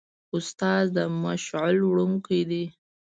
استاد د مشعل وړونکی دی.